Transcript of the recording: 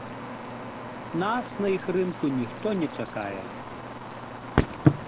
Нас на іх рынку ніхто не чакае!